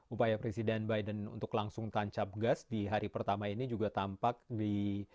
upaya presiden biden untuk langsung tancap gas di hari pertama ini juga tampak di